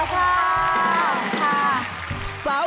ขอบพรรถค่ะ